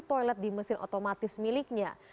toilet di mesin otomatis miliknya